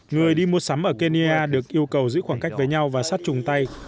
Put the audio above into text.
người đi mua sắm ở kenya được yêu cầu giữ khoảng cách với nhau và sát trùng tay